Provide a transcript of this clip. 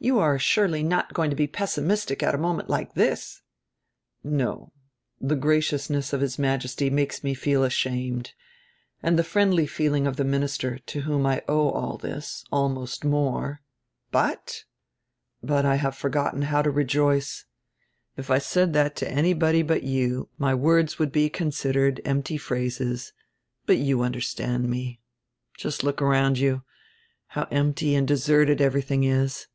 You are surely not going to be pessimistic at a moment like this." "No. The graciousness of His Majesty makes me feel ashamed, and the friendly feeling of die minister, to whom I owe all this, almost more." "But " "But I have forgotten how to rejoice. If I said that to anybody but you my words would be considered empty phrases. But you understand me. Just look around you. How empty and deserted everything is!